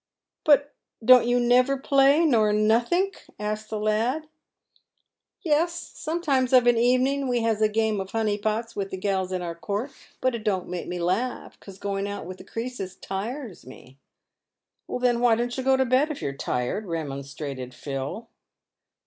" But don't you never play, nor nothink ?" asked the lad. " Yes, sometimes of an evening we has a game of ' honey pots' with the gals in our court ; but it don't make me laugh, cos going out with the creases tires me." • "Then, why don't you go to bed if you're tired?" remonstrated Phil.